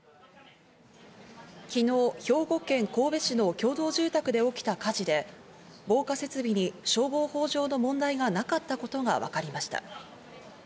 昨日、兵庫県神戸市の共同住宅で起きた火事で、防火設備に消防法上の問題がなかったことがわかりました。